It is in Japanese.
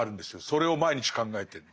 それを毎日考えてると。